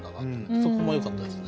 そこもよかったですね。